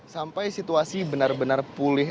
sampai situasi benar benar pulih